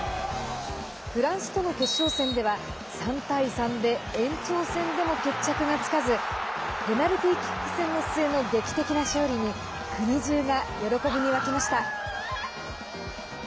フランスとの決勝戦では３対３で延長戦でも決着がつかずペナルティーキック戦の末の劇的な勝利に国じゅうが喜びに沸きました。